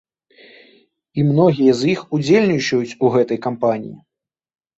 І многія з іх удзельнічаюць у гэтай кампаніі.